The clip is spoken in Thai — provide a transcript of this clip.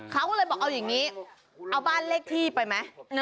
เขาก็เลยบอกเอาอย่างนี้เอาบ้านเลขที่ไปไหม